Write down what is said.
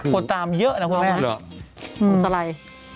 คุณตามเยอะนะคุณแม่สลัย